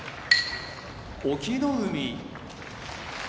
隠岐の海